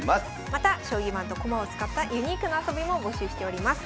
また将棋盤と駒を使ったユニークな遊びも募集しております。